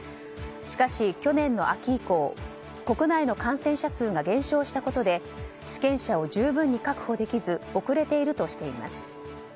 しかし、去年の秋以降国内の感染者数が減少したことで治験者を十分に確保できず遅れているとしています。